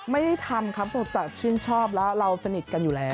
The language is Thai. ไม่ได้ทำครับผมแต่ชื่นชอบแล้วเราสนิทกันอยู่แล้ว